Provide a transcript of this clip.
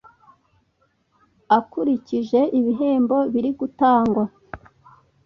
akurikije ibihembo birigutangwa